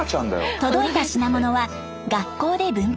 届いた品物は学校で分配。